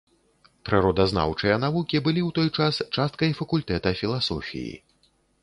Прыродазнаўчыя навукі былі ў той час часткай факультэта філасофіі.